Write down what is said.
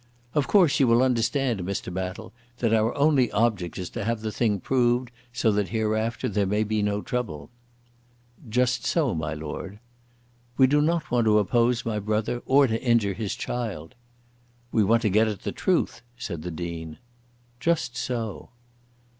"Of course you will understand, Mr. Battle, that our only object is to have the thing proved, so that hereafter there may be no trouble." "Just so, my Lord." "We do not want to oppose my brother, or to injure his child." "We want to get at the truth," said the Dean. "Just so."